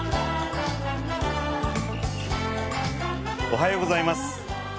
おはようございます。